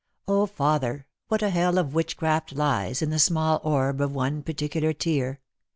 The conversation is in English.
"O father, what a hell of witchcraft lies In the email orb of one particular tear